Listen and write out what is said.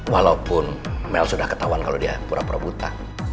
walaupun mel sudah ketahuan kalau dia pura pura buta